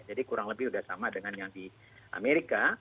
jadi kurang lebih udah sama dengan yang di amerika